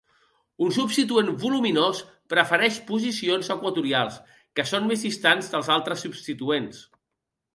Un substituent voluminós prefereix posicions equatorials, que són més distants dels altres substituents.